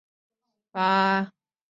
八卦完毕，开勋！